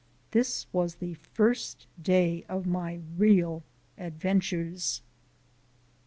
This was the first day of my real adventures.